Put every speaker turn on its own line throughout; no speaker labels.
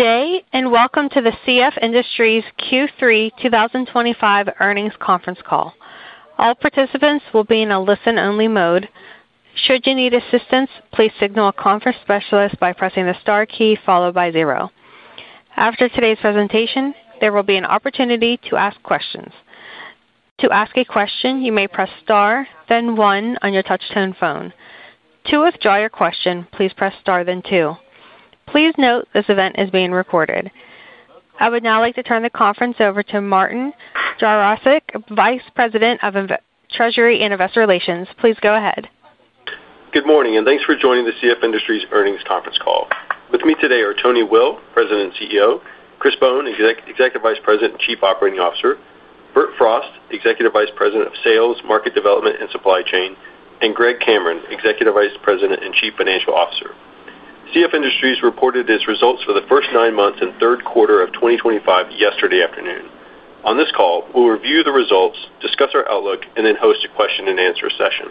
Good day and welcome to the CF Industries Q3 2025 earnings conference call. All participants will be in a listen-only mode. Should you need assistance, please signal a conference specialist by pressing the star key followed by zero. After today's presentation, there will be an opportunity to ask questions. To ask a question, you may press star, then one on your touch-tone phone. To withdraw your question, please press star, then two. Please note this event is being recorded. I would now like to turn the conference over to Martin Jarosick, Vice President of Treasury and Investor Relations. Please go ahead.
Good morning and thanks for joining the CF Industries earnings conference call. With me today are Tony Will, President and CEO; Chris Bohn, Executive Vice President and Chief Operating Officer; Bert Frost, Executive Vice President of Sales, Market Development, and Supply Chain; and Greg Cameron, Executive Vice President and Chief Financial Officer. CF Industries reported its results for the first nine months and third quarter of 2025 yesterday afternoon. On this call, we'll review the results, discuss our outlook, and then host a question-and-answer session.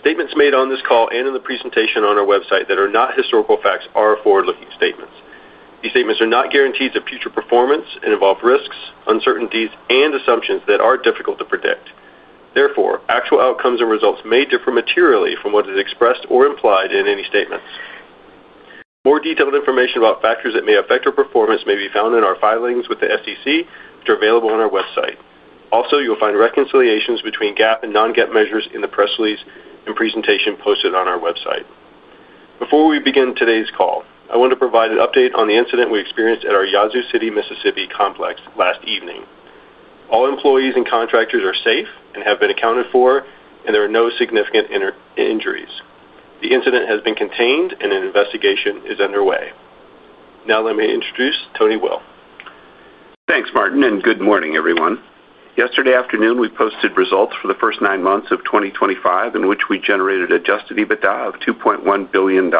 Statements made on this call and in the presentation on our website that are not historical facts are forward-looking statements. These statements are not guarantees of future performance and involve risks, uncertainties, and assumptions that are difficult to predict. Therefore, actual outcomes and results may differ materially from what is expressed or implied in any statements. More detailed information about factors that may affect our performance may be found in our filings with the SEC, which are available on our website. Also, you'll find reconciliations between GAAP and non-GAAP measures in the press release and presentation posted on our website. Before we begin today's call, I want to provide an update on the incident we experienced at our Yazoo City, Mississippi, complex last evening. All employees and contractors are safe and have been accounted for, and there are no significant injuries. The incident has been contained, and an investigation is underway. Now, let me introduce Tony Will.
Thanks, Martin, and good morning, everyone. Yesterday afternoon, we posted results for the first nine months of 2025, in which we generated adjusted EBITDA of $2.1 billion.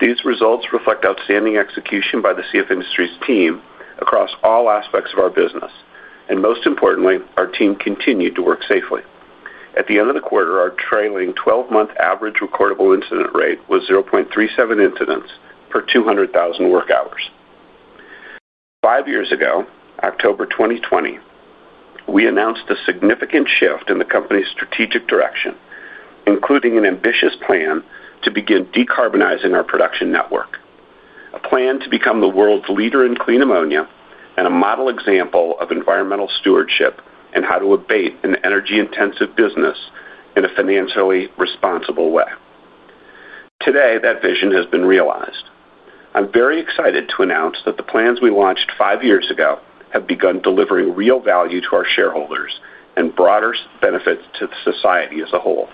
These results reflect outstanding execution by the CF Industries team across all aspects of our business, and most importantly, our team continued to work safely. At the end of the quarter, our trailing 12-month average recordable incident rate was 0.37 incidents per 200,000 work hours. Five years ago, October 2020, we announced a significant shift in the company's strategic direction, including an ambitious plan to begin decarbonizing our production network, a plan to become the world's leader in clean ammonia and a model example of environmental stewardship and how to abate an energy-intensive business in a financially responsible way. Today, that vision has been realized. I'm very excited to announce that the plans we launched five years ago have begun delivering real value to our shareholders and broader benefits to society as a whole.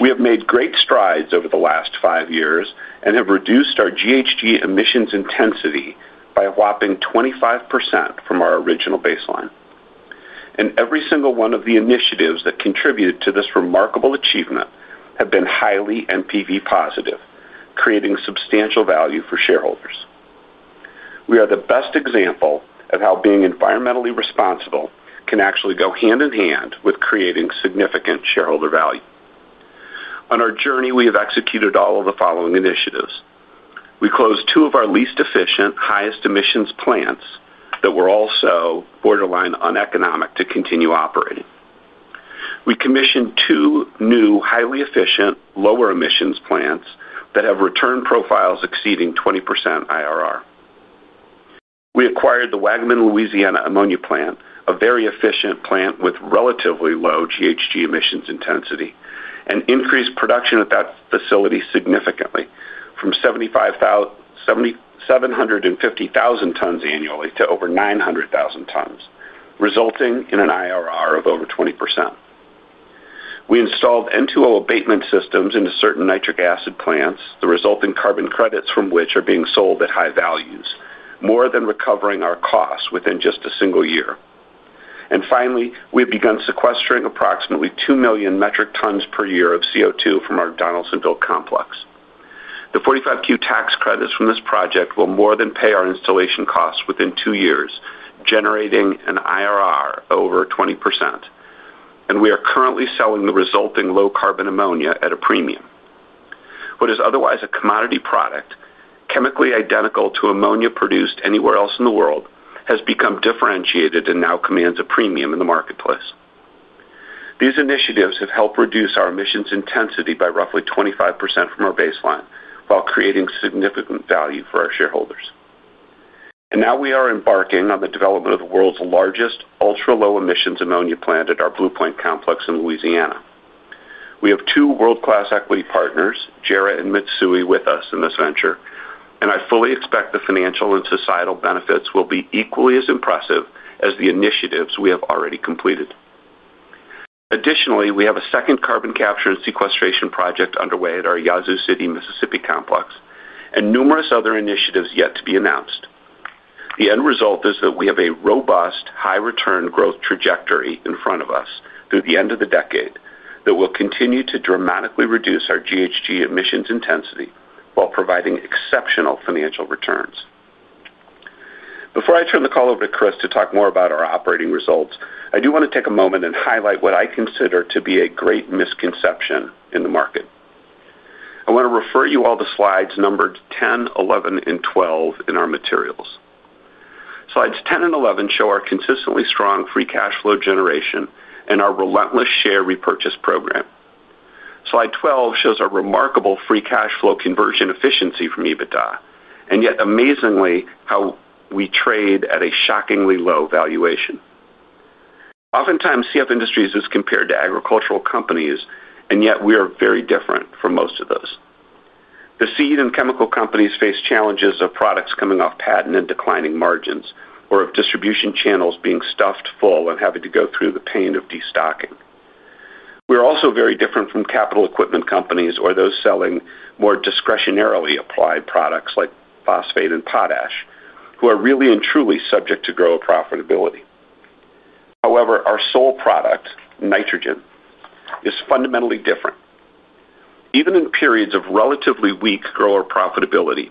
We have made great strides over the last five years and have reduced our GHG emissions intensity by a whopping 25% from our original baseline. Every single one of the initiatives that contributed to this remarkable achievement have been highly NPV positive, creating substantial value for shareholders. We are the best example of how being environmentally responsible can actually go hand in hand with creating significant shareholder value. On our journey, we have executed all of the following initiatives. We closed two of our least efficient, highest emissions plants that were also borderline uneconomic to continue operating. We commissioned two new, highly efficient, lower emissions plants that have return profiles exceeding 20% IRR. We acquired the Waggaman, Louisiana, ammonia plant, a very efficient plant with relatively low GHG emissions intensity, and increased production at that facility significantly from 750,000 tons annually to over 900,000 tons, resulting in an IRR of over 20%. We installed N2O abatement systems into certain nitric acid plants, the resulting carbon credits from which are being sold at high values, more than recovering our costs within just a single year. Finally, we have begun sequestering approximately 2 million metric tons per year of CO2 from our Donaldsonville complex. The 45Q tax credits from this project will more than pay our installation costs within two years, generating an IRR of over 20%. We are currently selling the resulting low-carbon ammonia at a premium. What is otherwise a commodity product, chemically identical to ammonia produced anywhere else in the world, has become differentiated and now commands a premium in the marketplace. These initiatives have helped reduce our emissions intensity by roughly 25% from our baseline while creating significant value for our shareholders. We are embarking on the development of the world's largest ultra-low emissions ammonia plant at our Blue Point Complex in Louisiana. We have two world-class equity partners, JERA and Mitsui, with us in this venture, and I fully expect the financial and societal benefits will be equally as impressive as the initiatives we have already completed. Additionally, we have a second carbon capture and sequestration project underway at our Yazoo City, Mississippi, complex and numerous other initiatives yet to be announced. The end result is that we have a robust, high-return growth trajectory in front of us through the end of the decade that will continue to dramatically reduce our GHG emissions intensity while providing exceptional financial returns. Before I turn the call over to Chris to talk more about our operating results, I do want to take a moment and highlight what I consider to be a great misconception in the market. I want to refer you all to slides numbered 10, 11, and 12 in our materials. Slides 10 and 11 show our consistently strong free cash flow generation and our relentless share repurchase program. Slide 12 shows our remarkable free cash flow conversion efficiency from EBITDA and yet amazingly how we trade at a shockingly low valuation. Oftentimes, CF Industries is compared to agricultural companies, and yet we are very different from most of those. The seed and chemical companies face challenges of products coming off patent and declining margins or of distribution channels being stuffed full and having to go through the pain of destocking. We are also very different from capital equipment companies or those selling more discretionarily applied products like phosphate and potash, who are really and truly subject to grower profitability. However, our sole product, nitrogen, is fundamentally different. Even in periods of relatively weak grower profitability,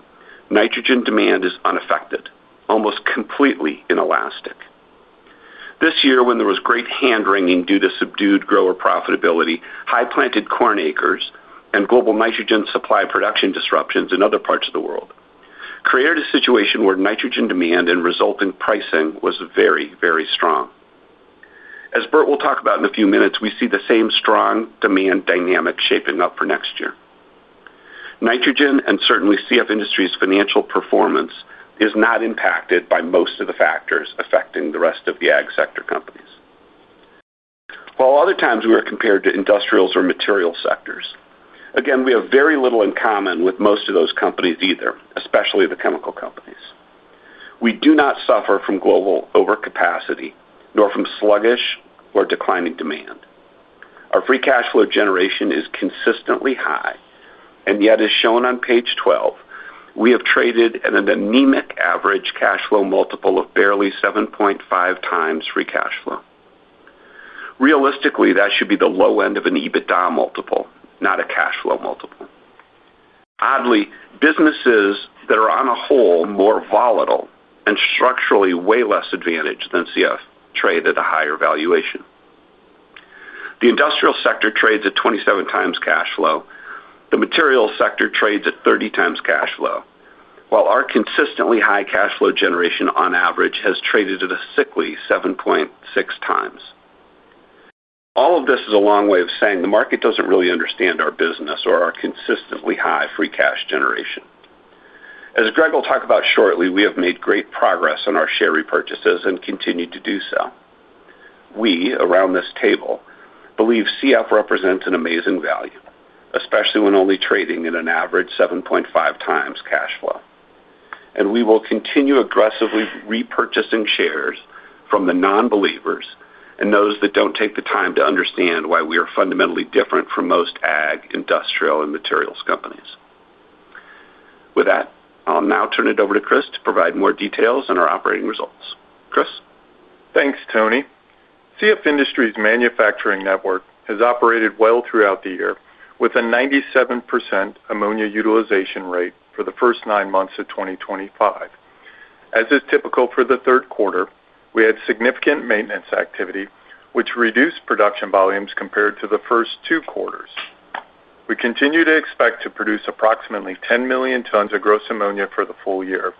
nitrogen demand is unaffected, almost completely inelastic. This year, when there was great hand-wringing due to subdued grower profitability, high-planted corn acres, and global nitrogen supply production disruptions in other parts of the world, it created a situation where nitrogen demand and resulting pricing was very, very strong. As Bert will talk about in a few minutes, we see the same strong demand dynamic shaping up for next year. Nitrogen and certainly CF Industries' financial performance is not impacted by most of the factors affecting the rest of the ag sector companies. While other times we are compared to industrials or material sectors, again, we have very little in common with most of those companies either, especially the chemical companies. We do not suffer from global overcapacity, nor from sluggish or declining demand. Our free cash flow generation is consistently high, and yet, as shown on page 12, we have traded at an anemic average cash flow multiple of barely 7.5x free cash flow. Realistically, that should be the low end of an EBITDA multiple, not a cash flow multiple. ODDLY, businesses that are on a whole more volatile and structurally way less advantaged than CF trade at a higher valuation. The industrial sector trades at 27x cash flow. The materials sector trades at 30x cash flow, while our consistently high cash flow generation on average has traded at a sickly 7.6x. All of this is a long way of saying the market does not really understand our business or our consistently high free cash generation. As Greg will talk about shortly, we have made great progress on our share repurchases and continue to do so. We, around this table, believe CF represents an amazing value, especially when only trading at an average 7.5 cash flow. We will continue aggressively repurchasing shares from the non-believers and those that do not take the time to understand why we are fundamentally different from most ag, industrial, and materials companies. With that, I will now turn it over to Chris to provide more details on our operating results. Chris.
Thanks, Tony. CF Industries' manufacturing network has operated well throughout the year with a 97% ammonia utilization rate for the first nine months of 2025. As is typical for the third quarter, we had significant maintenance activity, which reduced production volumes compared to the first two quarters. We continue to expect to produce approximately 10 million tons of gross ammonia for the full year.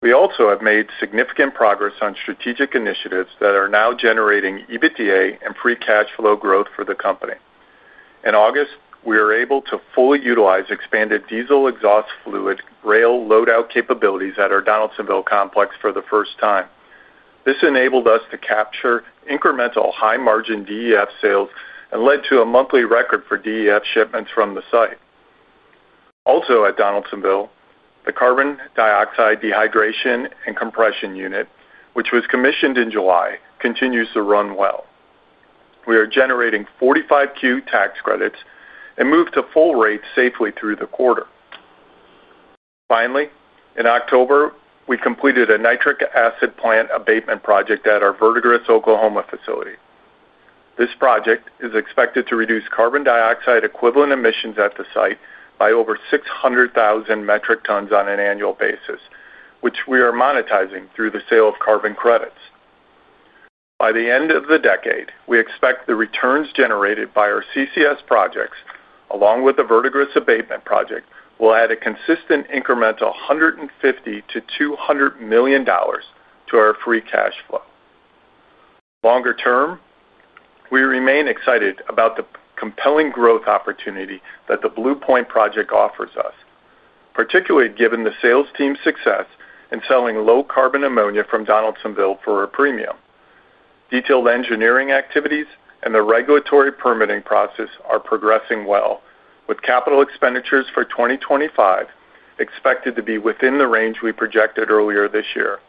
We also have made significant progress on strategic initiatives that are now generating EBITDA and free cash flow growth for the company. In August, we were able to fully utilize expanded diesel exhaust fluid rail load-out capabilities at our Donaldsonville complex for the first time. This enabled us to capture incremental high-margin DEF sales and led to a monthly record for DEF shipments from the site. Also, at Donaldsonville, the carbon dioxide dehydration and compression unit, which was commissioned in July, continues to run well. We are generating 45Q tax credits and moved to full rate safely through the quarter. Finally, in October, we completed a nitric acid plant abatement project at our Verdigris, Oklahoma, facility. This project is expected to reduce carbon dioxide equivalent emissions at the site by over 600,000 metric tons on an annual basis, which we are monetizing through the sale of carbon credits. By the end of the decade, we expect the returns generated by our CCS projects, along with the Verdigris abatement project, will add a consistent incremental $150 million to $200 million to our free cash flow. Longer term, we remain excited about the compelling growth opportunity that the Bluepoint project offers us. Particularly given the sales team's success in selling low carbon ammonia from Donaldsonville for a premium. Detailed engineering activities and the regulatory permitting process are progressing well, with capital expenditures for 2025 expected to be within the range we projected earlier this year.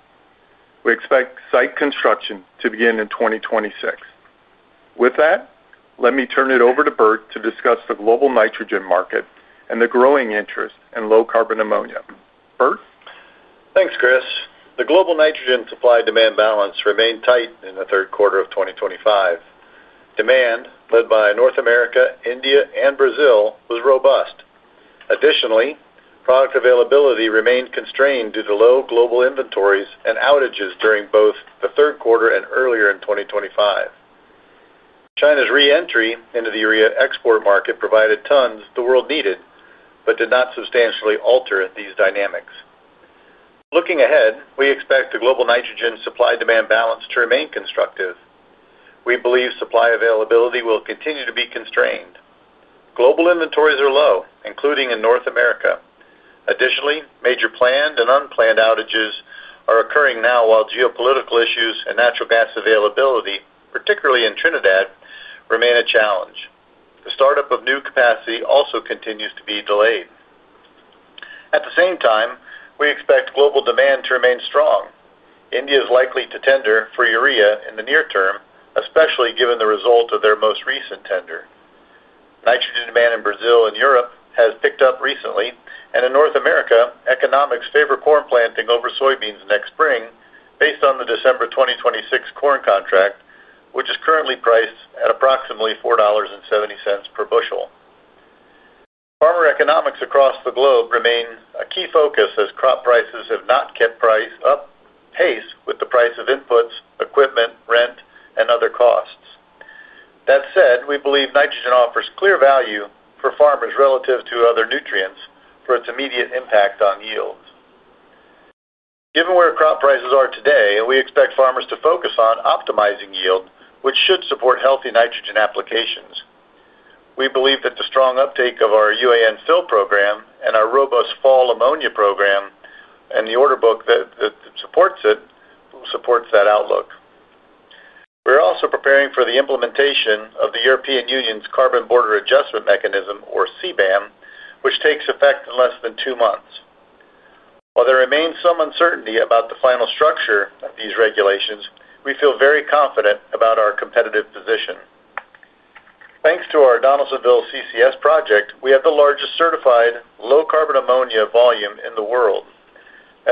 We expect site construction to begin in 2026. With that, let me turn it over to Bert to discuss the global nitrogen market and the growing interest in low carbon ammonia. Bert?
Thanks, Chris. The global nitrogen supply-demand balance remained tight in the third quarter of 2025. Demand, led by North America, India, and Brazil, was robust. Additionally, product availability remained constrained due to low global inventories and outages during both the third quarter and earlier in 2025. China's re-entry into the urea export market provided tons the world needed but did not substantially alter these dynamics. Looking ahead, we expect the global nitrogen supply-demand balance to remain constructive. We believe supply availability will continue to be constrained. Global inventories are low, including in North America. Additionally, major planned and unplanned outages are occurring now while geopolitical issues and natural gas availability, particularly in Trinidad, remain a challenge. The startup of new capacity also continues to be delayed. At the same time, we expect global demand to remain strong. India is likely to tender for urea in the near term, especially given the result of their most recent tender. Nitrogen demand in Brazil and Europe has picked up recently, and in North America, economics favor corn planting over soybeans next spring based on the December 2026 corn contract, which is currently priced at approximately $4.70 per bushel. Farmer economics across the globe remain a key focus as crop prices have not kept pace with the price of inputs, equipment, rent, and other costs. That said, we believe nitrogen offers clear value for farmers relative to other nutrients for its immediate impact on yields. Given where crop prices are today, we expect farmers to focus on optimizing yield, which should support healthy nitrogen applications. We believe that the strong uptake of our UAN Fill program and our robust Fall Ammonia program. The order book supports it. Supports that outlook. We are also preparing for the implementation of the European Union's Carbon Border Adjustment Mechanism, or CBAM, which takes effect in less than two months. While there remains some uncertainty about the final structure of these regulations, we feel very confident about our competitive position. Thanks to our Donaldsonville CCS project, we have the largest certified low carbon ammonia volume in the world.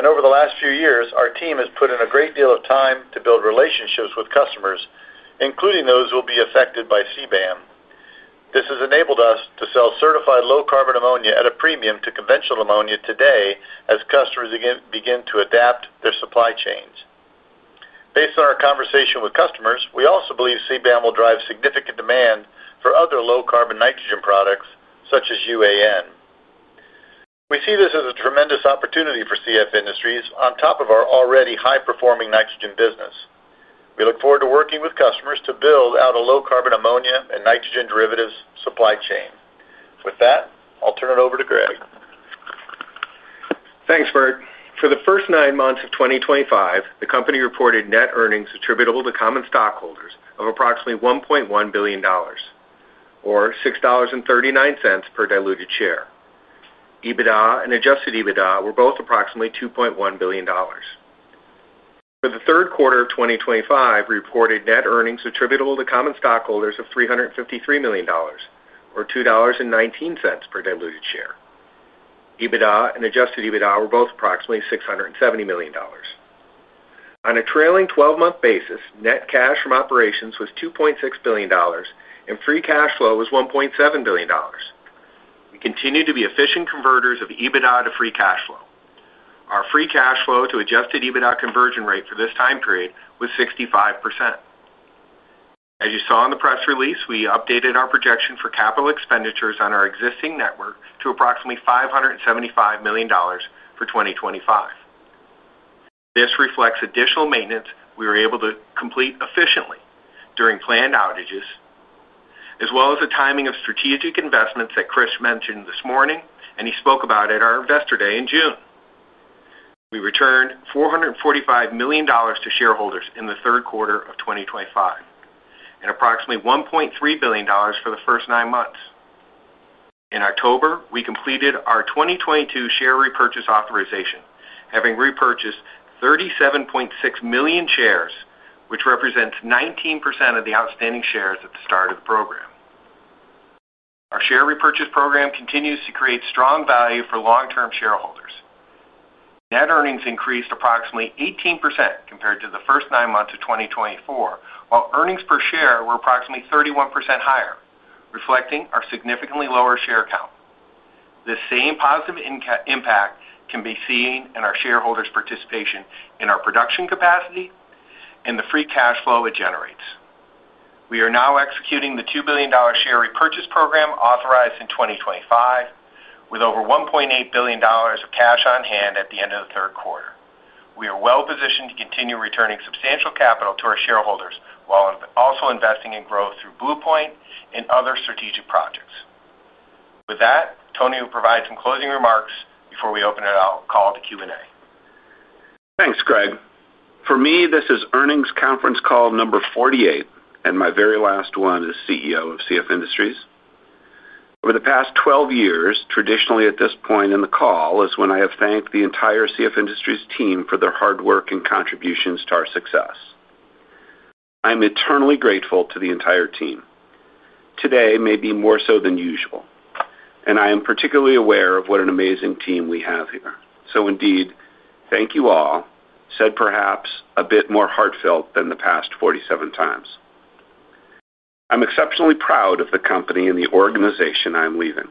Over the last few years, our team has put in a great deal of time to build relationships with customers, including those who will be affected by CBAM. This has enabled us to sell certified low carbon ammonia at a premium to conventional ammonia today as customers begin to adapt their supply chains. Based on our conversation with customers, we also believe CBAM will drive significant demand for other low carbon nitrogen products such as UAN. We see this as a tremendous opportunity for CF Industries on top of our already high-performing nitrogen business. We look forward to working with customers to build out a low carbon ammonia and nitrogen derivatives supply chain. With that, I'll turn it over to Greg.
Thanks, Bert. For the first nine months of 2025, the company reported net earnings attributable to common stockholders of approximately $1.1 billion, or $6.39 per diluted share. EBITDA and adjusted EBITDA were both approximately $2.1 billion. For the third quarter of 2025, reported net earnings attributable to common stockholders of $353 million, or $2.19 per diluted share. EBITDA and adjusted EBITDA were both approximately $670 million. On a trailing 12-month basis, net cash from operations was $2.6 billion, and free cash flow was $1.7 billion. We continue to be efficient converters of EBITDA to free cash flow. Our free cash flow to adjusted EBITDA conversion rate for this time period was 65%. As you saw in the press release, we updated our projection for capital expenditures on our existing network to approximately $575 million for 2025. This reflects additional maintenance we were able to complete efficiently during planned outages. As well as the timing of strategic investments that Chris mentioned this morning, and he spoke about at our investor day in June. We returned $445 million to shareholders in the third quarter of 2025. And approximately $1.3 billion for the first nine months. In October, we completed our 2022 share repurchase authorization, having repurchased 37.6 million shares, which represents 19% of the outstanding shares at the start of the program. Our share repurchase program continues to create strong value for long-term shareholders. Net earnings increased approximately 18% compared to the first nine months of 2024, while earnings per share were approximately 31% higher, reflecting our significantly lower share count. The same positive impact can be seen in our shareholders' participation in our production capacity and the free cash flow it generates. We are now executing the $2 billion share repurchase program authorized in 2025, with over $1.8 billion of cash on hand at the end of the third quarter. We are well positioned to continue returning substantial capital to our shareholders while also investing in growth through Bluepoint and other strategic projects. With that, Tony will provide some closing remarks before we open it up, call to Q&A.
Thanks, Greg. For me, this is earnings conference call number 48, and my very last one as CEO of CF Industries. Over the past 12 years, traditionally at this point in the call is when I have thanked the entire CF Industries team for their hard work and contributions to our success. I'm eternally grateful to the entire team. Today may be more so than usual, and I am particularly aware of what an amazing team we have here. Indeed, thank you all, said perhaps a bit more heartfelt than the past 47x. I'm exceptionally proud of the company and the organization I'm leading.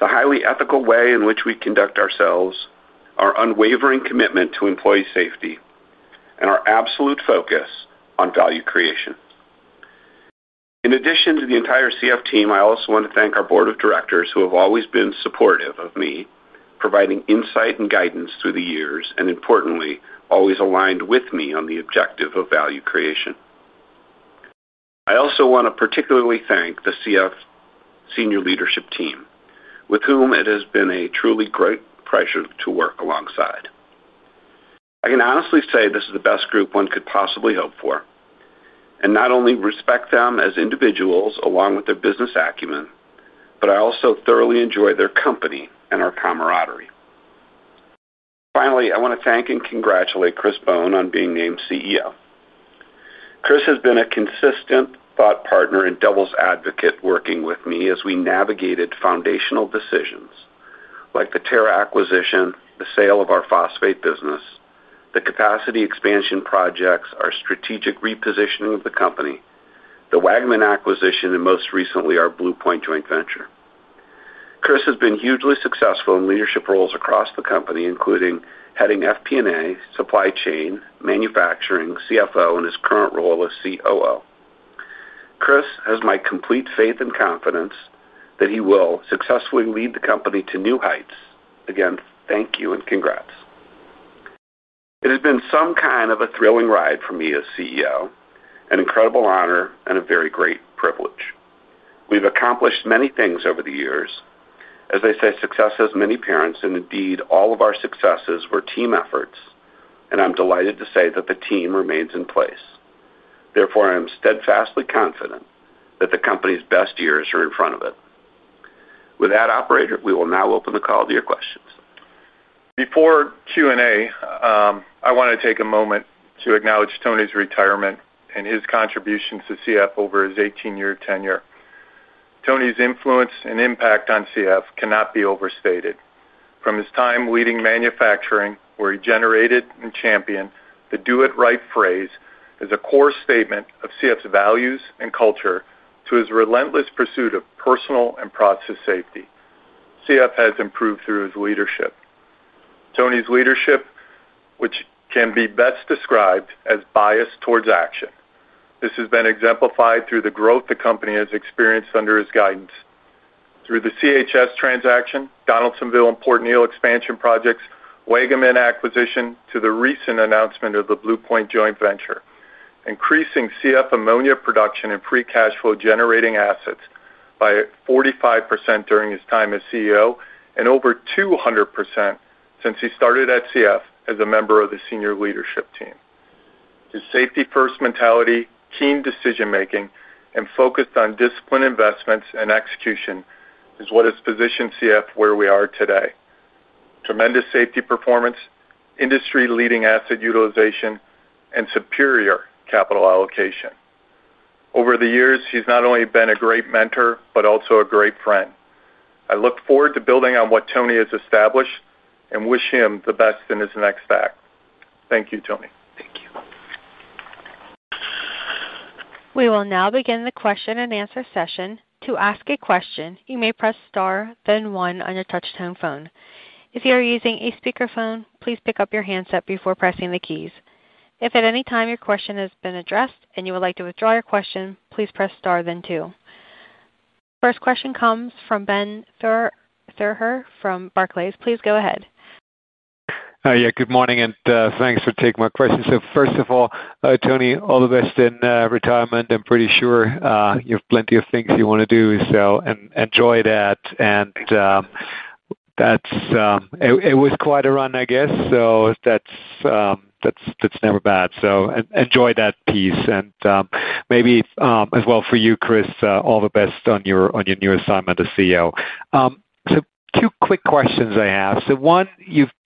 The highly ethical way in which we conduct ourselves, our unwavering commitment to employee safety, and our absolute focus on value creation. In addition to the entire CF team, I also want to thank our board of directors who have always been supportive of me, providing insight and guidance through the years, and importantly, always aligned with me on the objective of value creation. I also want to particularly thank the CF senior leadership team, with whom it has been a truly great pleasure to work alongside. I can honestly say this is the best group one could possibly hope for. I not only respect them as individuals along with their business acumen, but I also thoroughly enjoy their company and our camaraderie. Finally, I want to thank and congratulate Chris Bohn on being named CEO. Chris has been a consistent thought partner and devil's advocate working with me as we navigated foundational decisions like the Terra acquisition, the sale of our phosphate business, the capacity expansion projects, our strategic repositioning of the company, the Waggaman acquisition, and most recently our Bluepoint joint venture. Chris has been hugely successful in leadership roles across the company, including heading FP&A, supply chain, manufacturing, CFO, and his current role as COO. Chris has my complete faith and confidence that he will successfully lead the company to new heights. Again, thank you and congrats. It has been some kind of a thrilling ride for me as CEO, an incredible honor, and a very great privilege. We've accomplished many things over the years. As they say, success has many parents, and indeed all of our successes were team efforts, and I'm delighted to say that the team remains in place. Therefore, I am steadfastly confident that the company's best years are in front of it. With that, operator, we will now open the call to your questions.
Before Q&A, I want to take a moment to acknowledge Tony's retirement and his contributions to CF over his 18-year tenure. Tony's influence and impact on CF cannot be overstated. From his time leading manufacturing, where he generated and championed the do-it-right phrase, which is a core statement of CF's values and culture, to his relentless pursuit of personal and process safety. CF has improved through his leadership. Tony's leadership, which can be best described as biased towards action, has been exemplified through the growth the company has experienced under his guidance. Through the CHS transaction, Donaldsonville build and Port Neal expansion projects, Waggaman acquisition, to the recent announcement of the Bluepoint joint venture, increasing CF ammonia production and free cash flow generating assets by 45% during his time as CEO and over 200% since he started at CF as a member of the senior leadership team. His safety-first mentality, keen decision-making, and focus on disciplined investments and execution is what has positioned CF where we are today. Tremendous safety performance, industry-leading asset utilization, and superior capital allocation. Over the years, he's not only been a great mentor, but also a great friend. I look forward to building on what Tony has established and wish him the best in his next act. Thank you, Tony.
Thank you.
We will now begin the question and answer session. To ask a question, you may press star, then one on your touch-tone phone. If you are using a speakerphone, please pick up your handset before pressing the keys. If at any time your question has been addressed and you would like to withdraw your question, please press star, then two. First question comes from Benjamin Theurer from Barclays. Please go ahead.
Yeah, good morning and thanks for taking my question. First of all, Tony, all the best in retirement. I'm pretty sure you have plenty of things you want to do, so enjoy that. It was quite a run, I guess, so that's never bad. Enjoy that piece. Maybe as well for you, Chris, all the best on your new assignment as CEO. Two quick questions I have. One,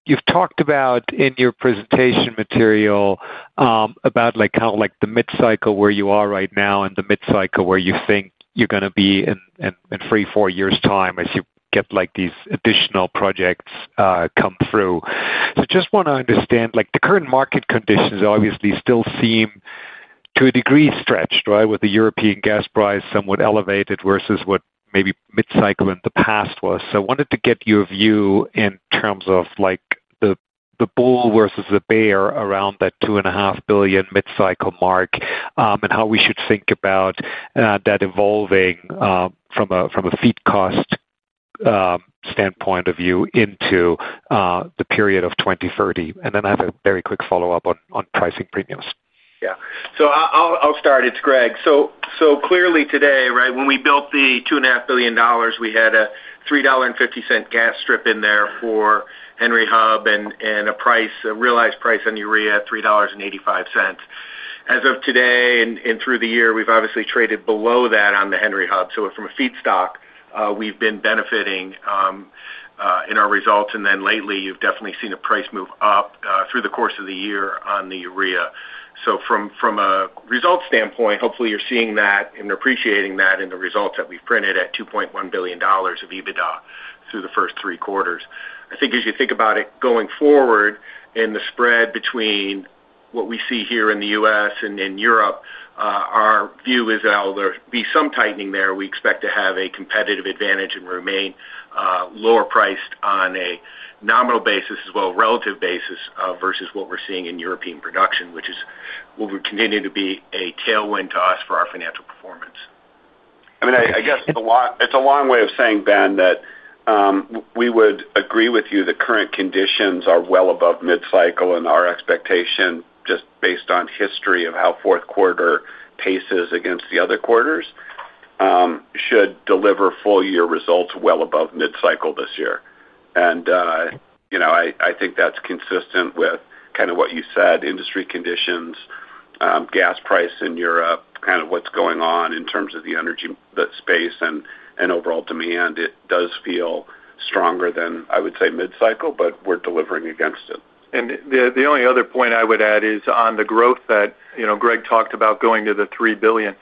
you've talked about in your presentation material about kind of like the mid-cycle where you are right now and the mid-cycle where you think you're going to be in three to four years' time as you get these additional projects come through. I just want to understand, the current market conditions obviously still seem to a degree stretched, right, with the European gas price somewhat elevated versus what maybe mid-cycle in the past was. I wanted to get your view in terms of the bull versus the bear around that $2.5 billion mid-cycle mark and how we should think about that evolving from a feed cost standpoint into the period of 2030. I have a very quick follow-up on pricing premiums.
Yeah. I'll start. It's Greg. Clearly today, right, when we built the $2.5 billion, we had a $3.50 gas strip in there for Henry Hub and a realized price on urea at $3.85. As of today and through the year, we've obviously traded below that on the Henry Hub. From a feed stock, we've been benefiting in our results. Lately, you've definitely seen a price move up through the course of the year on the urea. From a results standpoint, hopefully you're seeing that and appreciating that in the results that we've printed at $2.1 billion of EBITDA through the first three quarters. I think as you think about it going forward and the spread between what we see here in the U.S. and in Europe, our view is that there'll be some tightening there we expect to have a competitive advantage and remain lower priced on a nominal basis as well as relative basis versus what we are seeing in European production, which is what would continue to be a tailwind to us for our financial performance.
I mean, I guess it's a long way of saying, Ben, that we would agree with you that current conditions are well above mid-cycle and our expectation, just based on history of how fourth quarter paces against the other quarters, should deliver full-year results well above mid-cycle this year. I think that's consistent with kind of what you said, industry conditions, gas price in Europe, kind of what's going on in terms of the energy space and overall demand. It does feel stronger than, I would say, mid-cycle, but we're delivering against it.
The only other point I would add is on the growth that Greg talked about going to the $3 billion.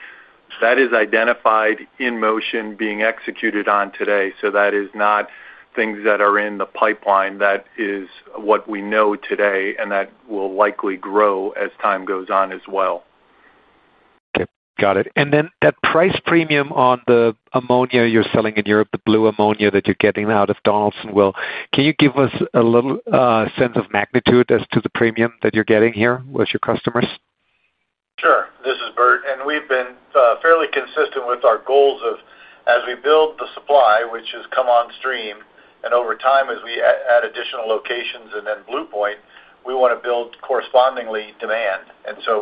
That is identified in motion being executed on today. That is not things that are in the pipeline. That is what we know today and that will likely grow as time goes on as well.
Okay. Got it. And then that price premium on the ammonia you're selling in Europe, the blue ammonia that you're getting out of Donaldsonville, can you give us a little sense of magnitude as to the premium that you're getting here with your customers?
Sure. This is Bert. We have been fairly consistent with our goals of, as we build the supply, which has come on stream, and over time as we add additional locations and then Bluepoint, we want to build correspondingly demand.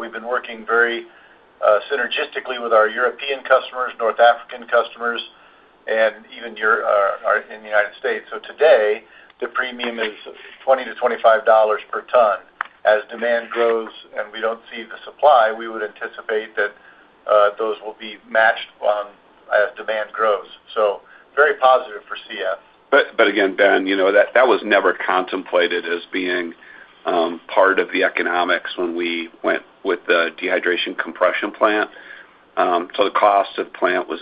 We have been working very synergistically with our European customers, North African customers, and even in the United States. Today, the premium is $20-$25 per ton. As demand grows and we do not see the supply, we would anticipate that those will be matched as demand grows. Very positive for CF.
Again, Ben, that was never contemplated as being part of the economics when we went with the dehydration compression plant. The cost of the plant was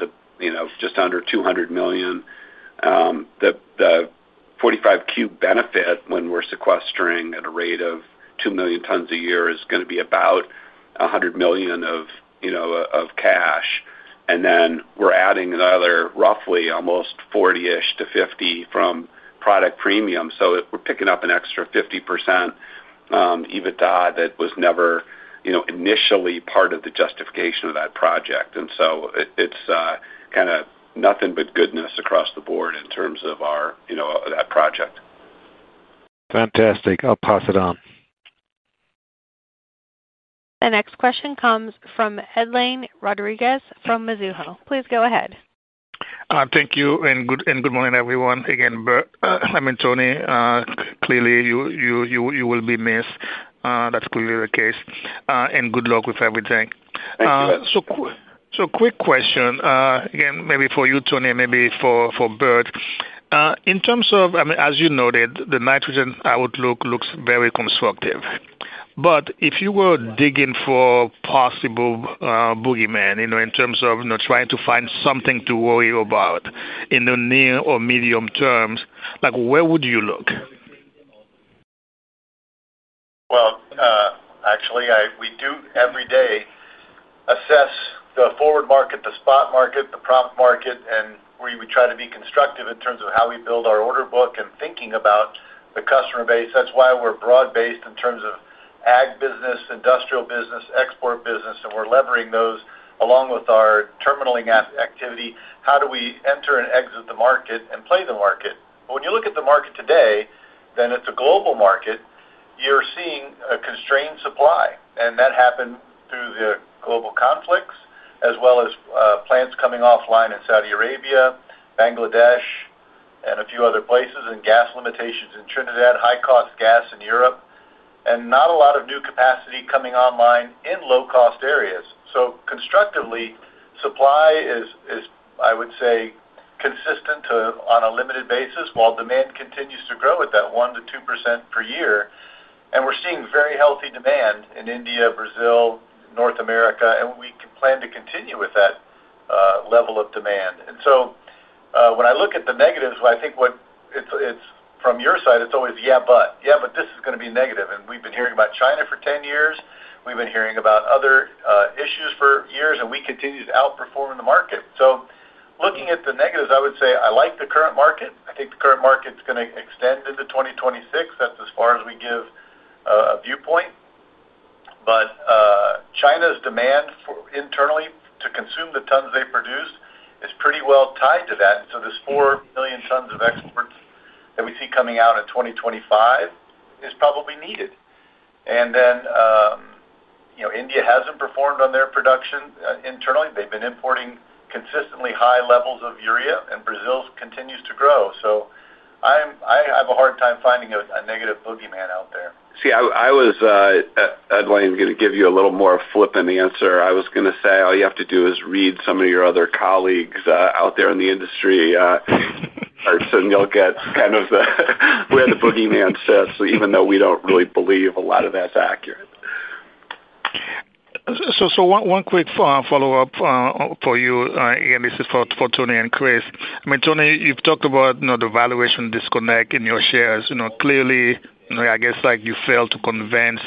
just under $200 million. The 45Q benefit when we're sequestering at a rate of 2 million tons a year is going to be about $100 million of cash. And then we're adding another roughly almost $40 million-$50 million from product premium. So we're picking up an extra 50% EBITDA that was never initially part of the justification of that project. And so it's kind of nothing but goodness across the board in terms of that project.
Fantastic. I'll pass it on.
The next question comes from Edlaine Rodriguez from Mizuho. Please go ahead.
Thank you. Good morning, everyone. Again, Tony, clearly you will be missed. That is clearly the case. Good luck with everything. Quick question. Again, maybe for you, Tony, and maybe for Bert. In terms of, I mean, as you noted, the nitrogen outlook looks very constructive. If you were digging for possible boogeyman in terms of trying to find something to worry about in the near or medium terms, where would you look?
Actually, we do every day. Assess the forward market, the spot market, the prop market, and we try to be constructive in terms of how we build our order book and thinking about the customer base. That is why we are broad-based in terms of ag business, industrial business, export business, and we are levering those along with our terminal activity. How do we enter and exit the market and play the market? When you look at the market today, then it is a global market. You are seeing a constrained supply. That happened through the global conflicts as well as plants coming offline in Saudi Arabia, Bangladesh, and a few other places, and gas limitations in Trinidad, high-cost gas in Europe, and not a lot of new capacity coming online in low-cost areas. Constructively, supply is, I would say. Consistent on a limited basis while demand continues to grow at that 1%-2% per year. We are seeing very healthy demand in India, Brazil, North America, and we can plan to continue with that level of demand. When I look at the negatives, I think from your side, it is always, "Yeah, but." "Yeah, but this is going to be negative." We have been hearing about China for 10 years. We have been hearing about other issues for years, and we continue to outperform in the market. Looking at the negatives, I would say I like the current market. I think the current market is going to extend into 2026. That is as far as we give a viewpoint. China's demand internally to consume the tons they produced is pretty well tied to that. This 4 million tons of exports that we see coming out in 2025 is probably needed. India has not performed on their production internally. They have been importing consistently high levels of urea, and Brazil continues to grow. I have a hard time finding a negative boogeyman out there.
See, I was, Edlain, going to give you a little more flippant answer. I was going to say all you have to do is read some of your other colleagues out there in the industry, and you will get kind of where the boogeyman sits, even though we do not really believe a lot of that is accurate.
One quick follow-up for you, and this is for Tony and Chris. I mean, Tony, you've talked about the valuation disconnect in your shares. Clearly, I guess you failed to convince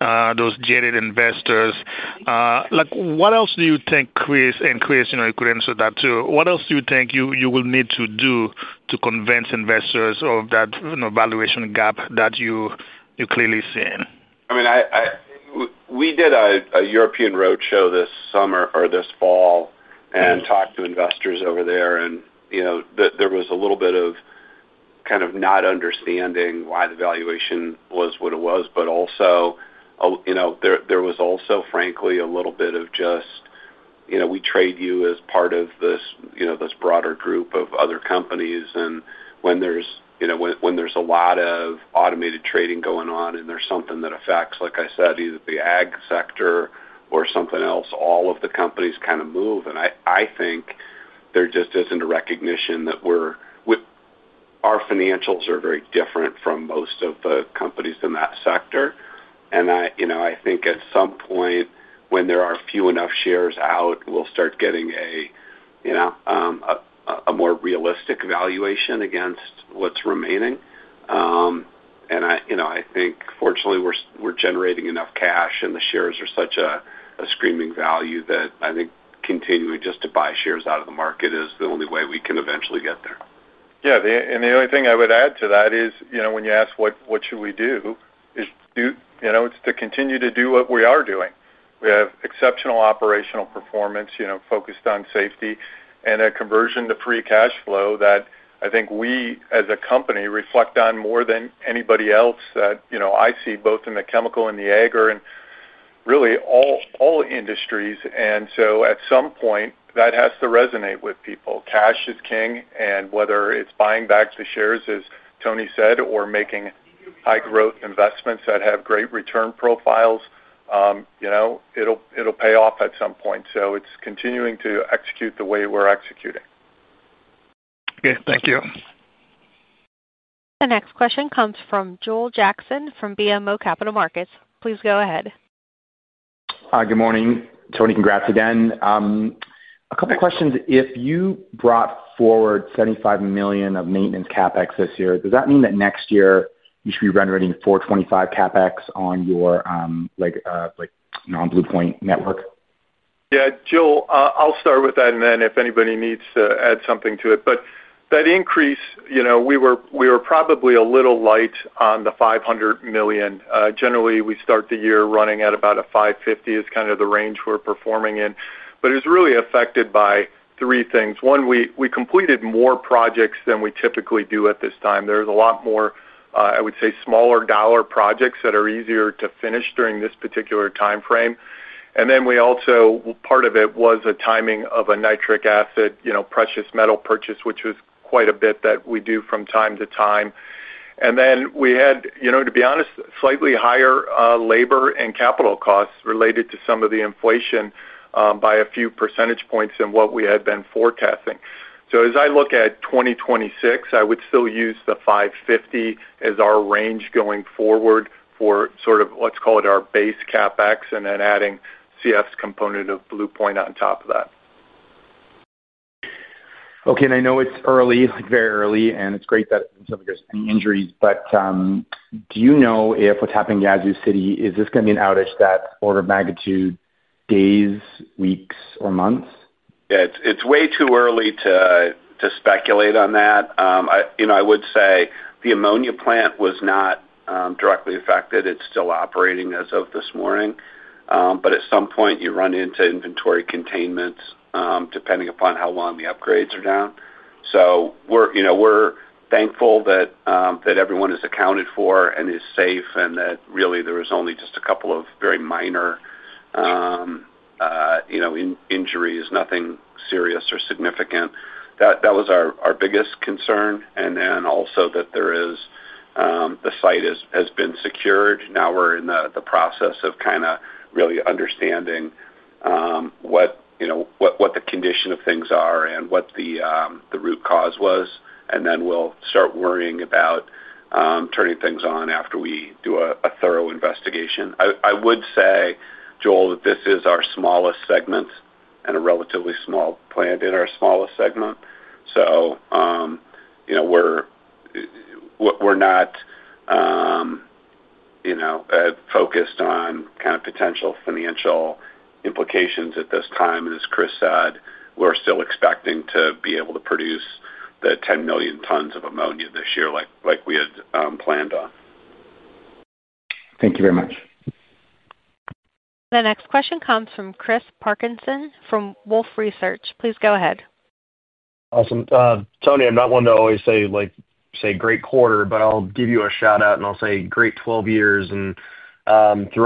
those jaded investors. What else do you think, Chris, and Chris, you could answer that too, what else do you think you will need to do to convince investors of that valuation gap that you're clearly seeing?
I mean. We did a European roadshow this summer or this fall and talked to investors over there. There was a little bit of kind of not understanding why the valuation was what it was. There was also, frankly, a little bit of just, "We trade you as part of this broader group of other companies." When there is a lot of automated trading going on and there is something that affects, like I said, either the ag sector or something else, all of the companies kind of move. I think there just is not a recognition that our financials are very different from most of the companies in that sector. I think at some point, when there are few enough shares out, we will start getting a more realistic valuation against what is remaining. I think, fortunately, we're generating enough cash, and the shares are such a screaming value that I think continuing just to buy shares out of the market is the only way we can eventually get there.
Yeah. The only thing I would add to that is when you ask what should we do, it is to continue to do what we are doing. We have exceptional operational performance focused on safety and a conversion to free cash flow that I think we, as a company, reflect on more than anybody else that I see both in the chemical and the ag or in really all industries. At some point, that has to resonate with people. Cash is king, and whether it is buying back the shares, as Tony said, or making high-growth investments that have great return profiles, it will pay off at some point. It is continuing to execute the way we are executing.
Okay. Thank you.
The next question comes from Joel Jackson from BMO Capital Markets. Please go ahead.
Hi, good morning. Tony, congrats again. A couple of questions. If you brought forward $75 million of maintenance CapEx this year, does that mean that next year you should be rendering $425 million CapEx on your non-Bluepoint network?
Yeah. Joel, I'll start with that, and then if anybody needs to add something to it. That increase, we were probably a little light on the $500 million. Generally, we start the year running at about a $550 million is kind of the range we're performing in. It was really affected by three things. One, we completed more projects than we typically do at this time. There's a lot more, I would say, smaller dollar projects that are easier to finish during this particular timeframe. We also, part of it was a timing of a nitric acid precious metal purchase, which was quite a bit that we do from time to time. We had, to be honest, slightly higher labor and capital costs related to some of the inflation by a few percentage points than what we had been forecasting. As I look at 2026, I would still use the $550 as our range going forward for, sort of, let's call it our base CapEx, and then adding CF's component of Bluepoint on top of that.
Okay. I know it's early, very early, and it's great that it doesn't seem like there's any injuries. Do you know if what's happening in Yazoo City, is this going to be an outage that's order of magnitude days, weeks, or months?
Yeah. It's way too early to speculate on that. I would say the ammonia plant was not directly affected. It's still operating as of this morning. At some point, you run into inventory containment depending upon how long the upgrades are down. We are thankful that everyone is accounted for and is safe and that really there were only just a couple of very minor injuries, nothing serious or significant. That was our biggest concern. Also, the site has been secured. Now we are in the process of really understanding what the condition of things are and what the root cause was. We will start worrying about turning things on after we do a thorough investigation. I would say, Joel, that this is our smallest segment and a relatively small plant in our smallest segment. We are not focused on kind of potential financial implications at this time. As Chris said, we're still expecting to be able to produce the 10 million tons of ammonia this year like we had planned on.
Thank you very much.
The next question comes from Chris Parkinson from Wolfe Research. Please go ahead.
Awesome. Tony, I'm not one to always say, "Great quarter," but I'll give you a shout-out, and I'll say, "Great 12 years." Through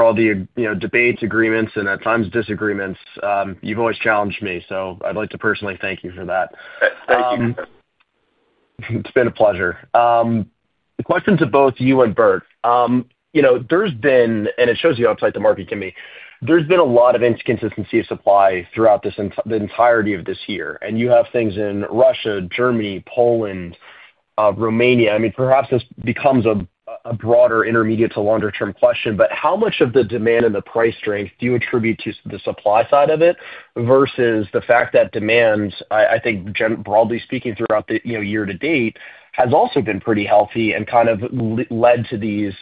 all the debates, agreements, and at times disagreements, you've always challenged me. So I'd like to personally thank you for that. It's been a pleasure. The question to both you and Bert. There's been, and it shows you outside the market, Kimmy, there's been a lot of inconsistency of supply throughout the entirety of this year. You have things in Russia, Germany, Poland, Romania. I mean, perhaps this becomes a broader intermediate to longer-term question, but how much of the demand and the price strength do you attribute to the supply side of it versus the fact that demand, I think broadly speaking throughout the year to date, has also been pretty healthy and kind of led to these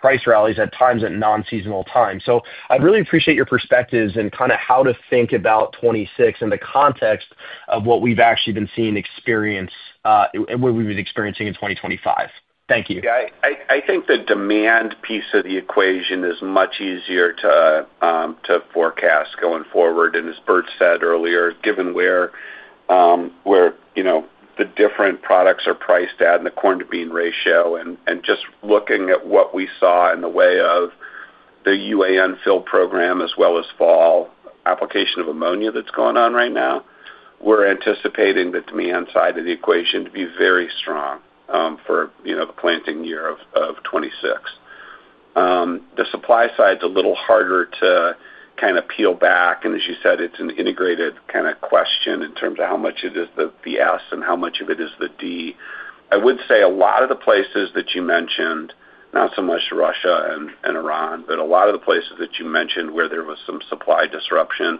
price rallies at times at non-seasonal times? I really appreciate your perspectives and kind of how to think about 2026 in the context of what we've actually been seeing experience and what we've been experiencing in 2025. Thank you.
Yeah. I think the demand piece of the equation is much easier to forecast going forward. And as Bert said earlier, given where the different products are priced at and the corn-to-bean ratio and just looking at what we saw in the way of the UAN fill program as well as fall application of ammonia that's going on right now, we're anticipating the demand side of the equation to be very strong for the planting year of 2026. The supply side's a little harder to kind of peel back. And as you said, it's an integrated kind of question in terms of how much it is the S and how much of it is the D. I would say a lot of the places that you mentioned, not so much Russia and Iran, but a lot of the places that you mentioned where there was some supply disruption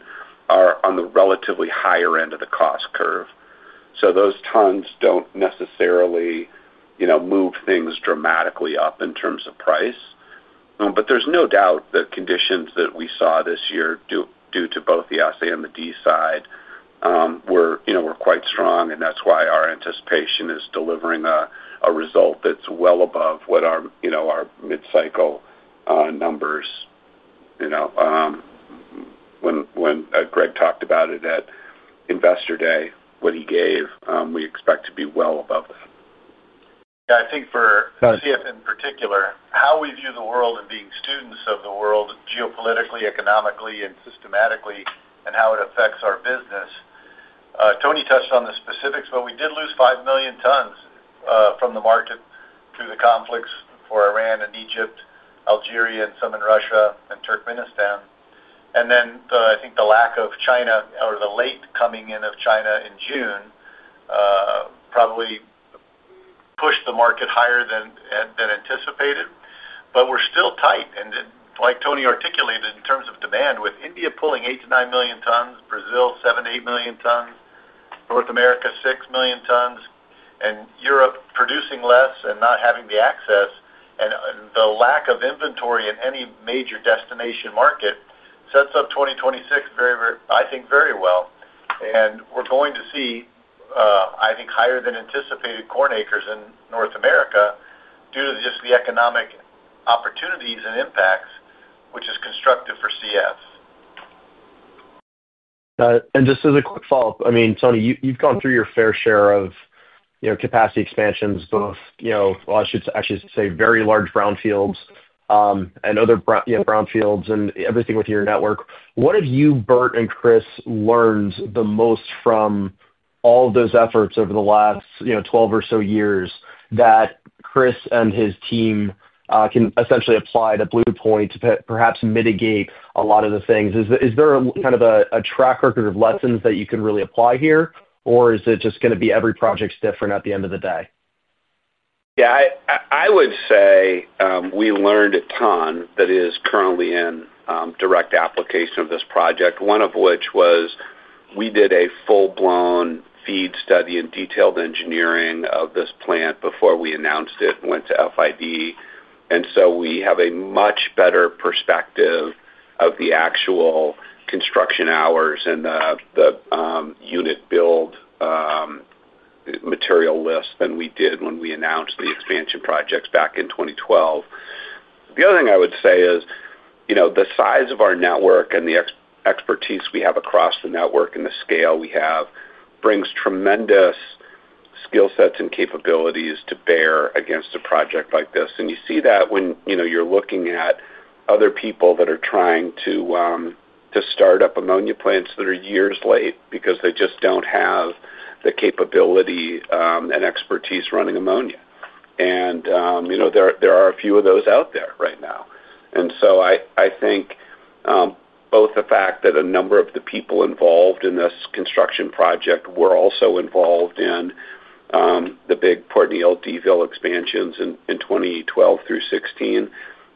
are on the relatively higher end of the cost curve. So those tons do not necessarily move things dramatically up in terms of price. There is no doubt the conditions that we saw this year due to both the S&D side were quite strong, and that is why our anticipation is delivering a result that is well above what our mid-cycle numbers are. When Greg talked about it at Investor Day, what he gave, we expect to be well above that.
I think for CF in particular, how we view the world and being students of the world geopolitically, economically, and systematically, and how it affects our business. Tony touched on the specifics, but we did lose 5 million tons from the market through the conflicts for Iran and Egypt, Algeria, and some in Russia and Turkmenistan. I think the lack of China or the late coming in of China in June probably pushed the market higher than anticipated. We are still tight. Like Tony articulated, in terms of demand, with India pulling 8 million-9 million tons, Brazil 7 million-8 million tons, North America 6 million tons, and Europe producing less and not having the access, and the lack of inventory in any major destination market sets up 2026, I think, very well. We are going to see, I think, higher than anticipated corn acres in North America due to just the economic opportunities and impacts, which is constructive for CF.
Got it. And just as a quick follow-up, I mean, Tony, you've gone through your fair share of capacity expansions, both, well, I should actually say very large brownfields, and other brownfields and everything with your network. What have you, Bert and Chris, learned the most from all of those efforts over the last 12 or so years that Chris and his team can essentially apply to Bluepoint to perhaps mitigate a lot of the things? Is there kind of a track record of lessons that you can really apply here, or is it just going to be every project's different at the end of the day?
Yeah. I would say we learned a ton that is currently in direct application of this project, one of which was we did a full-blown feed study and detailed engineering of this plant before we announced it and went to FID. We have a much better perspective of the actual construction hours and the unit build material list than we did when we announced the expansion projects back in 2012. The other thing I would say is the size of our network and the expertise we have across the network and the scale we have brings tremendous skill sets and capabilities to bear against a project like this. You see that when you're looking at other people that are trying to start up ammonia plants that are years late because they just do not have the capability and expertise running ammonia. There are a few of those out there right now. I think both the fact that a number of the people involved in this construction project were also involved in the big perennial DVL expansions in 2012 through 2016,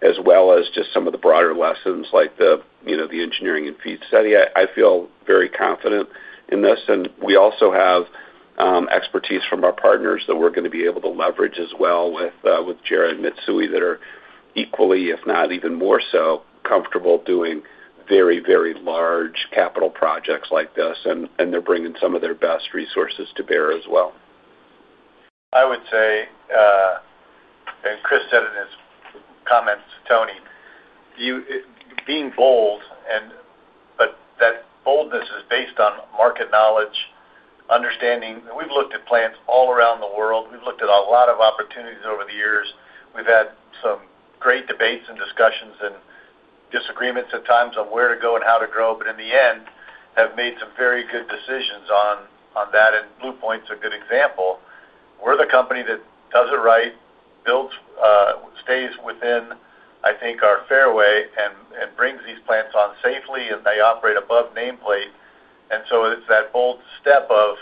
as well as just some of the broader lessons like the engineering and feed study. I feel very confident in this. We also have expertise from our partners that we're going to be able to leverage as well with JERA and Mitsui that are equally, if not even more so, comfortable doing very, very large capital projects like this. They're bringing some of their best resources to bear as well.
I would say, and Chris said in his comments to Tony, being bold, but that boldness is based on market knowledge, understanding. We've looked at plants all around the world. We've looked at a lot of opportunities over the years. We've had some great debates and discussions and disagreements at times on where to go and how to grow. In the end, have made some very good decisions on that. Bluepoint's a good example. We're the company that does it right, stays within, I think, our fairway and brings these plants on safely, and they operate above nameplate. It's that bold step of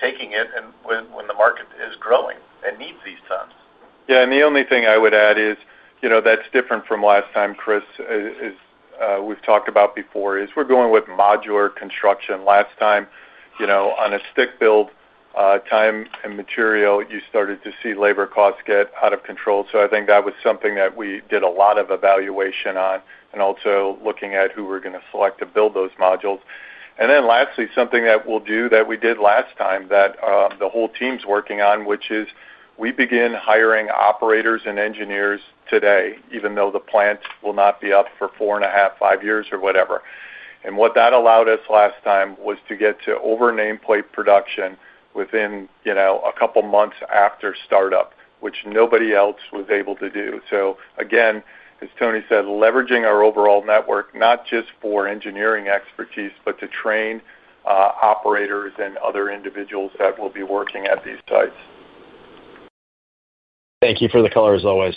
taking it when the market is growing and needs these tons.
Yeah. The only thing I would add is that is different from last time, Chris, as we have talked about before, is we are going with modular construction. Last time, on a stick build, time and material, you started to see labor costs get out of control. I think that was something that we did a lot of evaluation on and also looking at who we are going to select to build those modules. Lastly, something that we will do that we did last time that the whole team's working on, which is we begin hiring operators and engineers today, even though the plant will not be up for four and a half, five years or whatever. What that allowed us last time was to get to over nameplate production within a couple of months after startup, which nobody else was able to do. Again, as Tony said, leveraging our overall network, not just for engineering expertise, but to train operators and other individuals that will be working at these sites.
Thank you for the color, as always.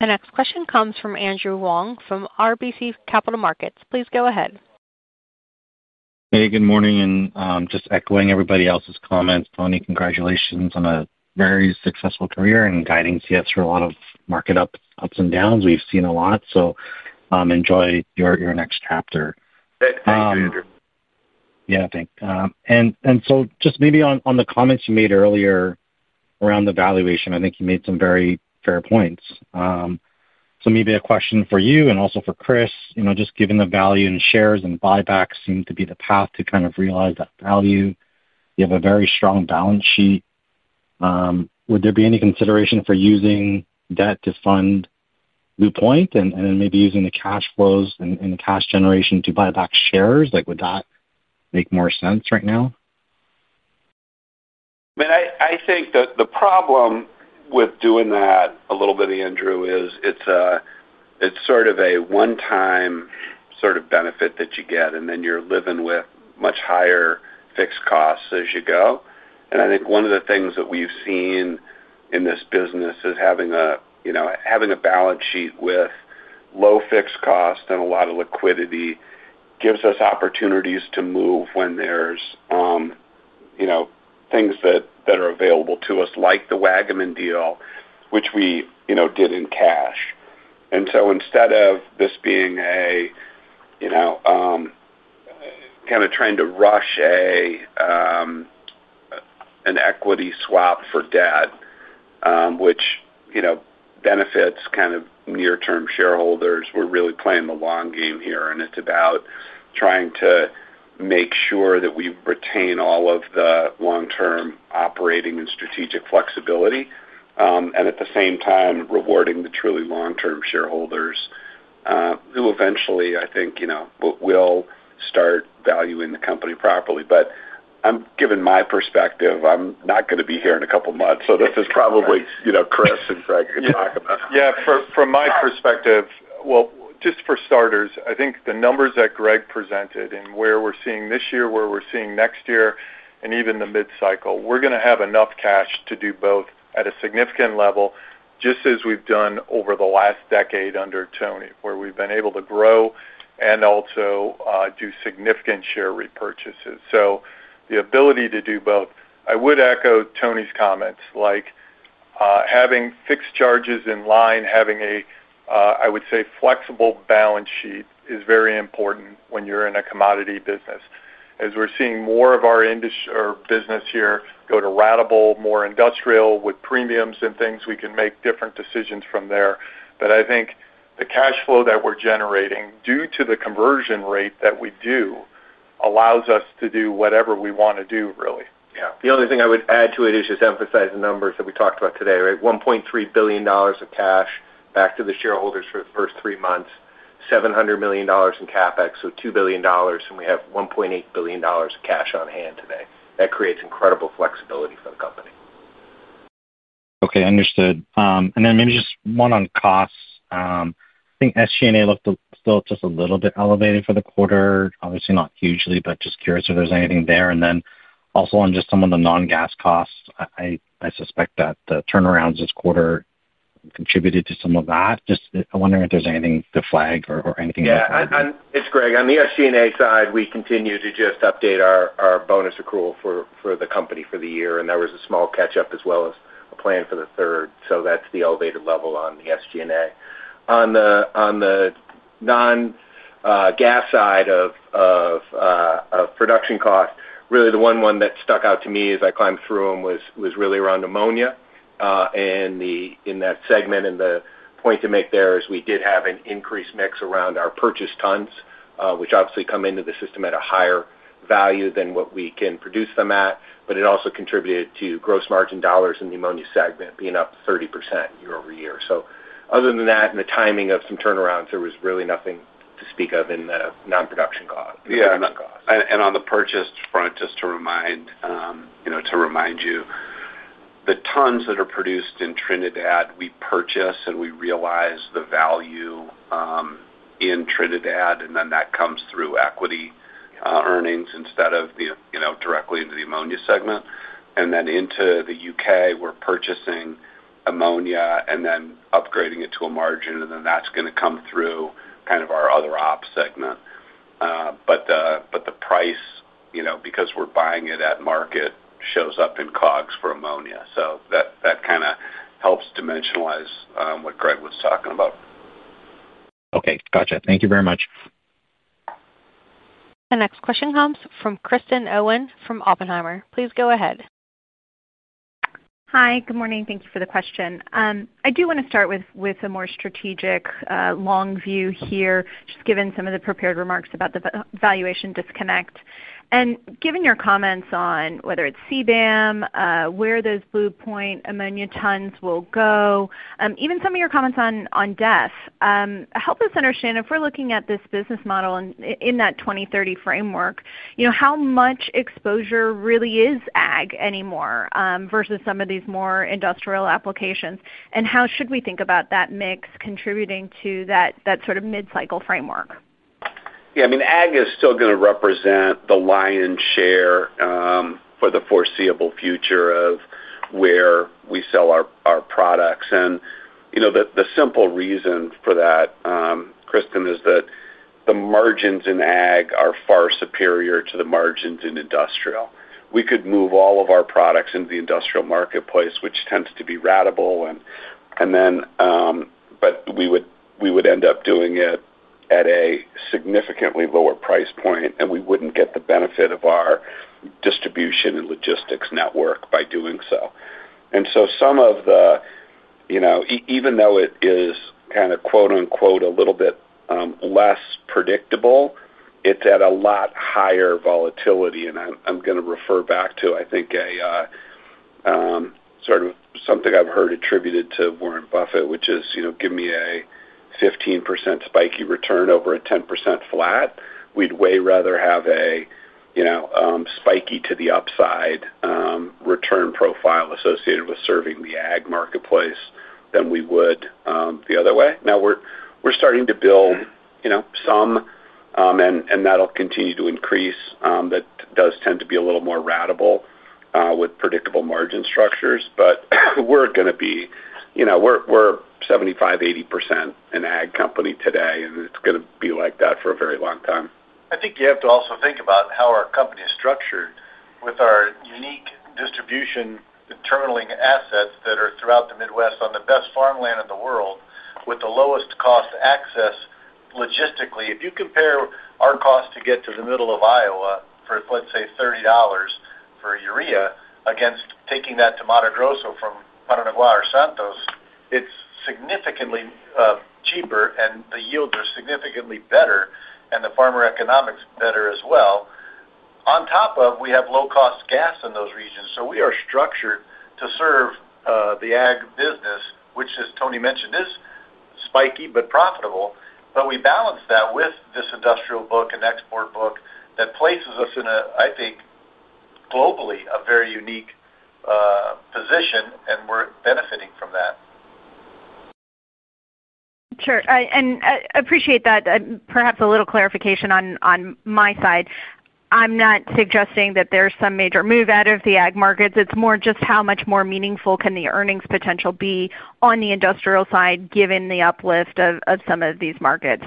The next question comes from Andrew Wong from RBC Capital Markets. Please go ahead.
Hey, good morning. Just echoing everybody else's comments, Tony, congratulations on a very successful career and guiding CF through a lot of market ups and downs. We've seen a lot. Enjoy your next chapter.
Thank you, Andrew. Just maybe on the comments you made earlier around the valuation, I think you made some very fair points. Maybe a question for you and also for Chris. Just given the value and shares and buybacks seem to be the path to kind of realize that value, you have a very strong balance sheet. Would there be any consideration for using debt to fund Bluepoint and then maybe using the cash flows and cash generation to buy back shares? Would that make more sense right now? I mean, I think that the problem with doing that a little bit, Andrew, is. It's sort of a one-time sort of benefit that you get, and then you're living with much higher fixed costs as you go. I think one of the things that we've seen in this business is having a balance sheet with low fixed costs and a lot of liquidity gives us opportunities to move when there's things that are available to us, like the Waggaman deal, which we did in cash. Instead of this being a kind of trying to rush an equity swap for debt, which benefits kind of near-term shareholders, we're really playing the long game here. It's about trying to make sure that we retain all of the long-term operating and strategic flexibility and at the same time rewarding the truly long-term shareholders. Who eventually, I think. Will start valuing the company properly. Given my perspective, I'm not going to be here in a couple of months. This is probably Chris and Greg could talk about.
Yeah. From my perspective, just for starters, I think the numbers that Greg presented and where we are seeing this year, where we are seeing next year, and even the mid-cycle, we are going to have enough cash to do both at a significant level, just as we have done over the last decade under Tony, where we have been able to grow and also do significant share repurchases. The ability to do both, I would echo Tony's comments, like having fixed charges in line, having a, I would say, flexible balance sheet is very important when you are in a commodity business. As we are seeing more of our business here go to ratable, more industrial with premiums and things, we can make different decisions from there. I think the cash flow that we are generating due to the conversion rate that we do allows us to do whatever we want to do, really.
Yeah. The only thing I would add to it is just emphasize the numbers that we talked about today, right? $1.3 billion of cash back to the shareholders for the first three months, $700 million in CapEx, so $2 billion, and we have $1.8 billion of cash on hand today. That creates incredible flexibility for the company.
Okay. Understood. Maybe just one on costs. I think SG&A looked still just a little bit elevated for the quarter, obviously not hugely, but just curious if there's anything there. Also, on just some of the non-gas costs, I suspect that the turnarounds this quarter contributed to some of that. Just wondering if there's anything to flag or anything to add to that.
Yeah. It's Greg. On the SG&A side, we continue to just update our bonus accrual for the company for the year. There was a small catch-up as well as a plan for the third. That is the elevated level on the SG&A. On the non-gas side of production costs, really the one that stuck out to me as I climbed through them was really around ammonia. In that segment, the point to make there is we did have an increased mix around our purchase tons, which obviously come into the system at a higher value than what we can produce them at. It also contributed to gross margin dollars in the ammonia segment being up 30% year-over-year. Other than that and the timing of some turnarounds, there was really nothing to speak of in the non-production cost.
Yeah. On the purchase front, just to remind you. The tons that are produced in Trinidad, we purchase and we realize the value in Trinidad, and then that comes through equity earnings instead of directly into the ammonia segment. Into the U.K., we are purchasing ammonia and then upgrading it to a margin. That is going to come through kind of our other ops segment. The price, because we are buying it at market, shows up in COGS for ammonia. That kind of helps dimensionalize what Greg was talking about.
Okay. Gotcha. Thank you very much. The next question comes from Kristen Owen from Oppenheimer. Please go ahead.
Hi. Good morning. Thank you for the question. I do want to start with a more strategic long view here, just given some of the prepared remarks about the valuation disconnect. Given your comments on whether it is CBAM, where those Bluepoint ammonia tons will go, even some of your comments on DEF, help us understand if we are looking at this business model in that 2030 framework, how much exposure really is ag anymore versus some of these more industrial applications, and how should we think about that mix contributing to that sort of mid-cycle framework?
Yeah. I mean, ag is still going to represent the lion's share for the foreseeable future of where we sell our products. And the simple reason for that, Kristen, is that the margins in ag are far superior to the margins in industrial. We could move all of our products into the industrial marketplace, which tends to be ratable. Then we would end up doing it at a significantly lower price point, and we would not get the benefit of our distribution and logistics network by doing so. Some of the, even though it is kind of "a little bit less predictable," it is at a lot higher volatility. I am going to refer back to, I think, sort of something I have heard attributed to Warren Buffett, which is, "Give me a 15% spiky return over a 10% flat." We would way rather have a spiky to the upside. Return profile associated with serving the ag marketplace than we would the other way. Now, we're starting to build some, and that'll continue to increase. That does tend to be a little more ratable with predictable margin structures. We're going to be, we're 75%-80% an ag company today, and it's going to be like that for a very long time.
I think you have to also think about how our company is structured with our unique distribution internal assets that are throughout the Midwest on the best farmland in the world with the lowest cost access logistically. If you compare our cost to get to the middle of Iowa for, let's say, $30 for urea against taking that to Mato Grosso from Paranaguá or Santos, it's significantly cheaper, and the yields are significantly better, and the farmer economics better as well. On top of, we have low-cost gas in those regions. We are structured to serve the ag business, which, as Tony mentioned, is spiky but profitable. We balance that with this industrial book and export book that places us in a, I think, globally, a very unique position, and we're benefiting from that.
Sure. I appreciate that. Perhaps a little clarification on my side. I'm not suggesting that there's some major move out of the ag markets. It's more just how much more meaningful can the earnings potential be on the industrial side, given the uplift of some of these markets.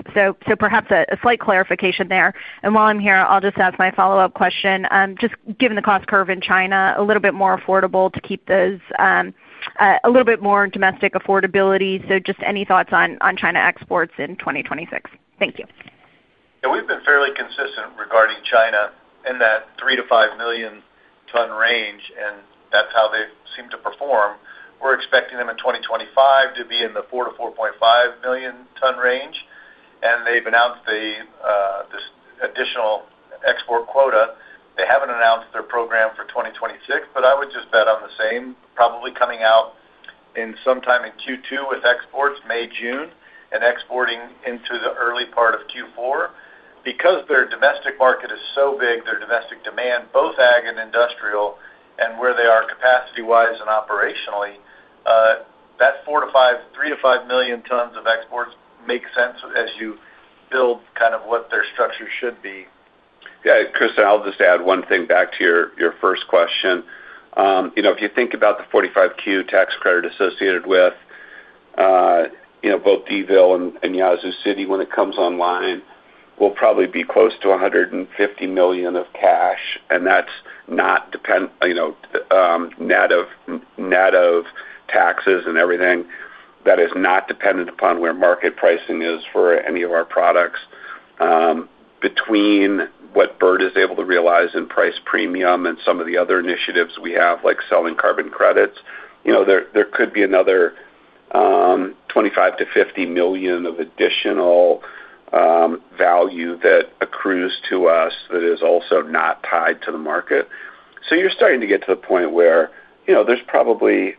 Perhaps a slight clarification there. While I'm here, I'll just ask my follow-up question. Just given the cost curve in China, a little bit more affordable to keep those, a little bit more domestic affordability. Just any thoughts on China exports in 2026? Thank you.
Yeah. We've been fairly consistent regarding China in that 3 million-5 million ton range, and that's how they seem to perform. We're expecting them in 2025 to be in the 4 million-4.5 million ton range. They've announced the additional export quota. They haven't announced their program for 2026, but I would just bet on the same, probably coming out sometime in Q2 with exports, May, June, and exporting into the early part of Q4. Because their domestic market is so big, their domestic demand, both ag and industrial, and where they are capacity-wise and operationally, that 3 million-5 million tons of exports makes sense as you build kind of what their structure should be.
Yeah. Kristen, I'll just add one thing back to your first question. If you think about the 45Q tax credit associated with both Donaldsonville and Yazoo City, when it comes online, will probably be close to $150 million of cash. That is not net of taxes and everything. That is not dependent upon where market pricing is for any of our products. Between what Bert is able to realize in price premium and some of the other initiatives we have, like selling carbon credits, there could be another $25 million-$50 million of additional value that accrues to us that is also not tied to the market. You are starting to get to the point where there probably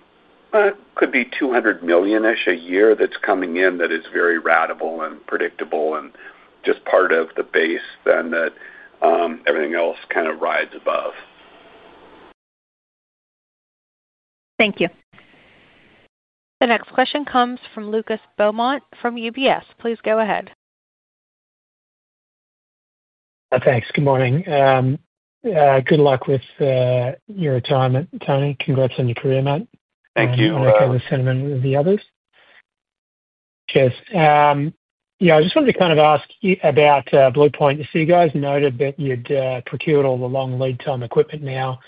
could be $200 million-ish a year that is coming in that is very ratable and predictable and just part of the base and that everything else kind of rides above.
Thank you.
The next question comes from Lucas Beaumont from UBS. Please go ahead.
Thanks. Good morning. Good luck with your retirement, Tony. Congrats on your career, Matt. Working with Simon and the others. Cheers. Yeah. I just wanted to kind of ask about Bluepoint. You guys noted that you'd procured all the long lead-time equipment now.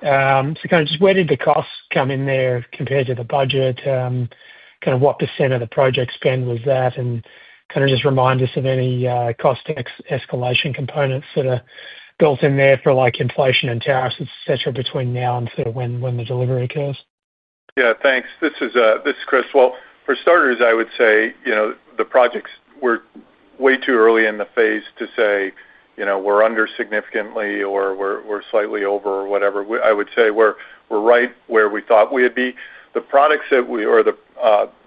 Where did the costs come in there compared to the budget? What percent of the project spend was that? Just remind us of any cost escalation components that are built in there for inflation and tariffs, etc., between now and when the delivery occurs.
Yeah. Thanks. This is Chris. For starters, I would say the projects, we're way too early in the phase to say we're under significantly or we're slightly over or whatever. I would say we're right where we thought we would be. The products that we or the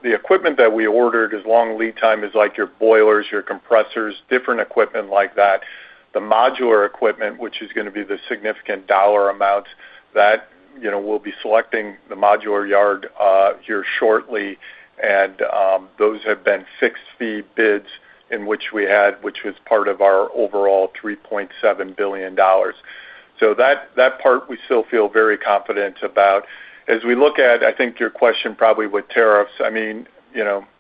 equipment that we ordered as long lead time is like your boilers, your compressors, different equipment like that. The modular equipment, which is going to be the significant dollar amounts that we'll be selecting the modular yard here shortly. Those have been fixed fee bids in which we had, which was part of our overall $3.7 billion. That part, we still feel very confident about. As we look at, I think your question probably with tariffs, I mean,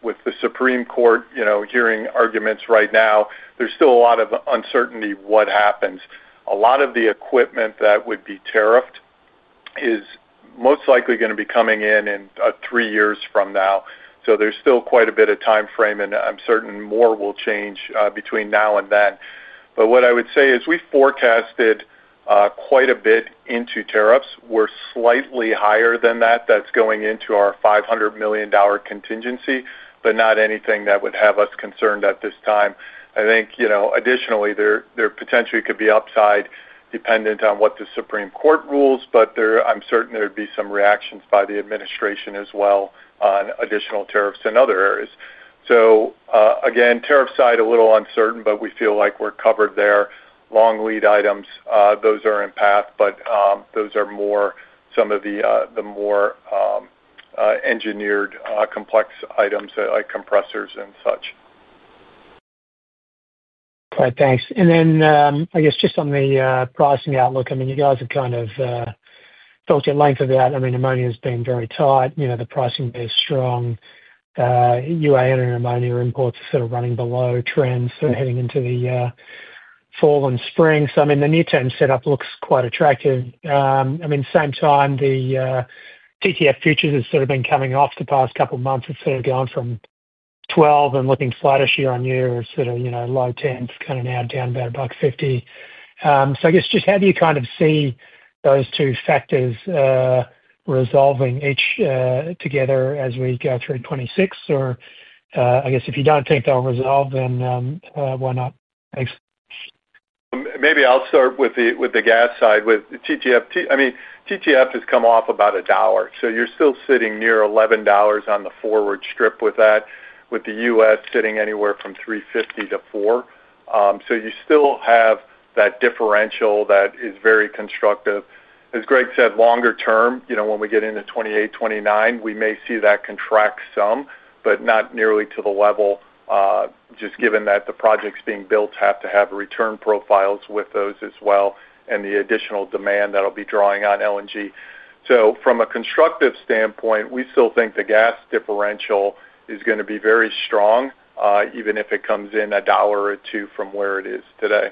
with the Supreme Court hearing arguments right now, there's still a lot of uncertainty what happens. A lot of the equipment that would be tariffed is most likely going to be coming in in three years from now. There is still quite a bit of time frame, and I am certain more will change between now and then. What I would say is we forecasted quite a bit into tariffs. We are slightly higher than that. That is going into our $500 million contingency, but not anything that would have us concerned at this time. I think additionally, there potentially could be upside dependent on what the Supreme Court rules. I am certain there would be some reactions by the administration as well on additional tariffs in other areas. Tariff side, a little uncertain, but we feel like we are covered there. Long lead items, those are in path, but those are more some of the more engineered complex items like compressors and such.
All right. Thanks. I guess just on the pricing outlook, you guys have kind of talked at length about that. I mean, ammonia has been very tight. The pricing is strong. UAN and ammonia imports are sort of running below trend, sort of heading into the fall and spring. The near-term setup looks quite attractive. At the same time, the TTF futures have sort of been coming off the past couple of months. It has sort of gone from 12 and looking flatter year on year, sort of low 10s, kind of now down about 50. I guess just how do you see those two factors resolving each together as we go through 2026? If you do not think they will resolve, then why not? Thanks.
Maybe I'll start with the gas side. I mean, TTF has come off about a dollar. You're still sitting near $11 on the forward strip with that, with the U.S. sitting anywhere from $3.50-$4. So you still have that differential that is very constructive. As Greg said, longer term, when we get into 2028, 2029, we may see that contract some, but not nearly to the level. Just given that the projects being built have to have return profiles with those as well and the additional demand that'll be drawing on LNG. From a constructive standpoint, we still think the gas differential is going to be very strong, even if it comes in a dollar or two from where it is today.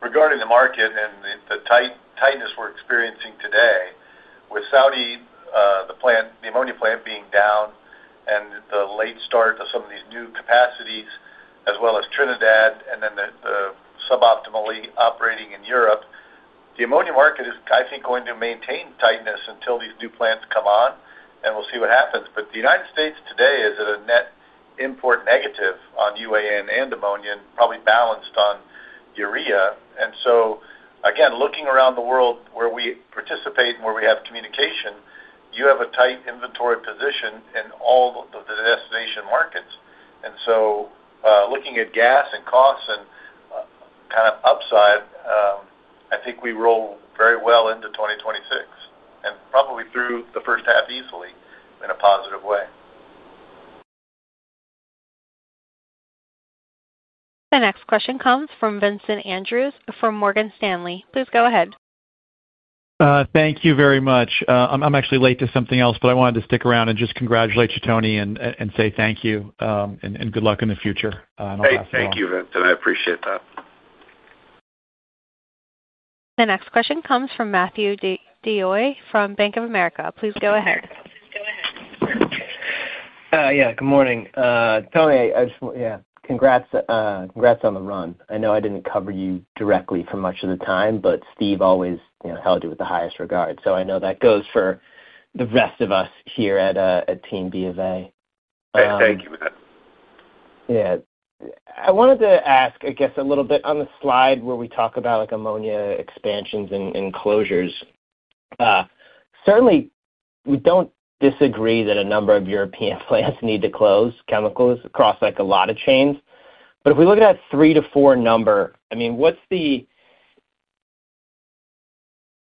Regarding the market and the tightness we're experiencing today, with Saudi, the ammonia plant being down. The late start of some of these new capacities, as well as Trinidad, and then the suboptimally operating in Europe, the ammonia market is, I think, going to maintain tightness until these new plants come on, and we'll see what happens. The United States today is at a net import negative on UAN and ammonia, and probably balanced on urea. Again, looking around the world where we participate and where we have communication, you have a tight inventory position in all of the destination markets. Looking at gas and costs and kind of upside, I think we roll very well into 2026 and probably through the first half easily in a positive way.
The next question comes from Vincent Andrews from Morgan Stanley. Please go ahead.
Thank you very much. I'm actually late to something else, but I wanted to stick around and just congratulate you, Tony, and say thank you and good luck in the future.
Thank you, Vincent. I appreciate that.
The next question comes from Matthew DeYoe from Bank of America. Please go ahead.
Yeah. Good morning. Tony, yeah, congrats on the run. I know I did not cover you directly for much of the time, but Steve always held you with the highest regard. So I know that goes for the rest of us here at Team BofA. Yeah. I wanted to ask, I guess, a little bit on the slide where we talk about ammonia expansions and closures. Certainly, we do not disagree that a number of European plants need to close chemicals across a lot of chains. If we look at that three to four number, I mean, what is the,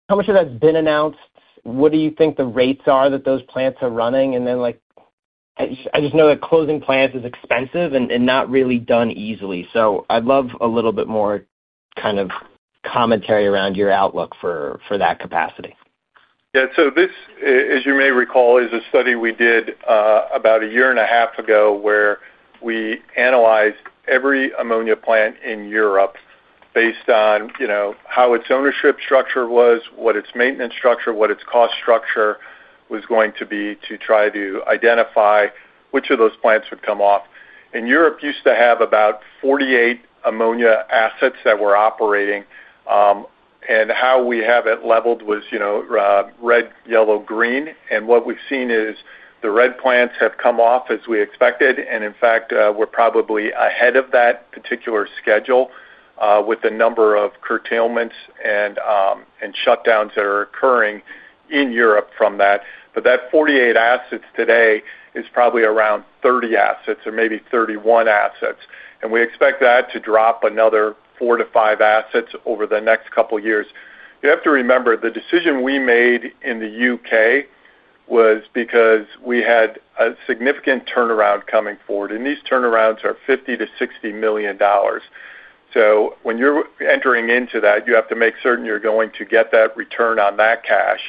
how much of that has been announced? What do you think the rates are that those plants are running? I just know that closing plants is expensive and not really done easily. I would love a little bit more kind of commentary around your outlook for that capacity.
Yeah. This, as you may recall, is a study we did about a year and a half ago where we analyzed every ammonia plant in Europe based on how its ownership structure was, what its maintenance structure, what its cost structure was going to be to try to identify which of those plants would come off. Europe used to have about 48 ammonia assets that were operating. How we have it leveled was red, yellow, green. What we've seen is the red plants have come off as we expected. In fact, we're probably ahead of that particular schedule with the number of curtailments and shutdowns that are occurring in Europe from that. That 48 assets today is probably around 30 assets or maybe 31 assets. We expect that to drop another four to five assets over the next couple of years. You have to remember the decision we made in the U.K. was because we had a significant turnaround coming forward. These turnarounds are $50 million-$60 million. When you're entering into that, you have to make certain you're going to get that return on that cash.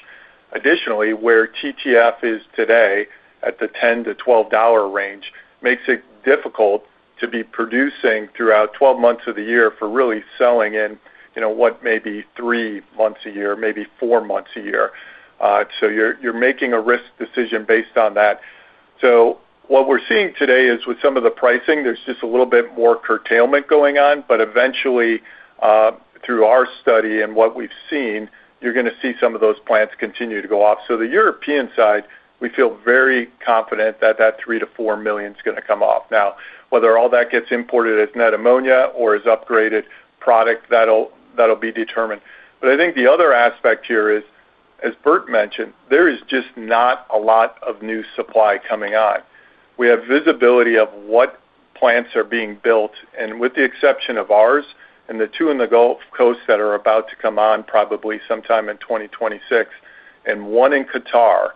Additionally, where TTF is today at the $10-$12 range makes it difficult to be producing throughout 12 months of the year for really selling in what may be three months a year, maybe four months a year. You're making a risk decision based on that. What we're seeing today is with some of the pricing, there's just a little bit more curtailment going on. Eventually, through our study and what we've seen, you're going to see some of those plants continue to go off. The European side, we feel very confident that that 3 million-4 million is going to come off. Now, whether all that gets imported as net ammonia or as upgraded product, that'll be determined. I think the other aspect here is, as Bert mentioned, there is just not a lot of new supply coming on. We have visibility of what plants are being built. With the exception of ours and the two in the Gulf Coast that are about to come on probably sometime in 2026 and one in Qatar,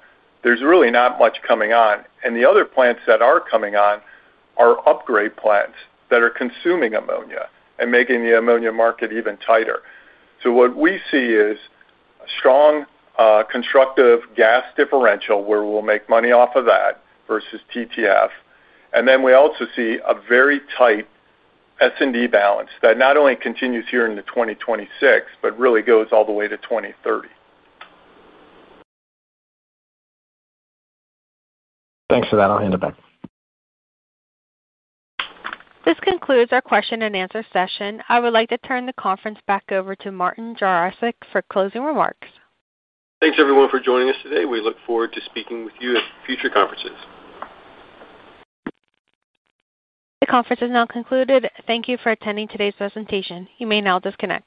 there's really not much coming on. The other plants that are coming on are upgrade plants that are consuming ammonia and making the ammonia market even tighter. What we see is a strong constructive gas differential where we'll make money off of that versus TTF. We also see a very tight. S&D balance that not only continues here in 2026, but really goes all the way to 2030.
Thanks for that. I'll hand it back.
This concludes our question and answer session. I would like to turn the conference back over to Martin Jarosick for closing remarks.
Thanks, everyone, for joining us today. We look forward to speaking with you at future conferences.
The conference is now concluded. Thank you for attending today's presentation. You may now disconnect.